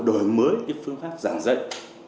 đổi mới phương pháp giảng dạy